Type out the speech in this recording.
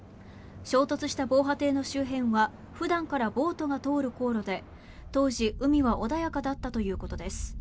衝突した防波堤の周辺は普段からボートが通る航路で当時、海は穏やかだったということです。